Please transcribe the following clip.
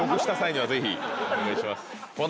お願いします。